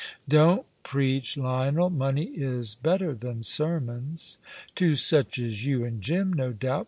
"Don't preach, Lionel. Money is better than sermons." "To such as you and Jim, no doubt.